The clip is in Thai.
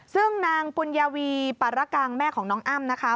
ซึ่งนางปุญญาวีปารกังแม่ของน้องอ้ำนะคะ